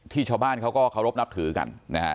ชาวบ้านเขาก็เคารพนับถือกันนะฮะ